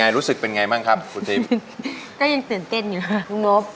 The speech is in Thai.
สามหมื่นนะเงินที่สะสมมาด้วยกันน้องนบ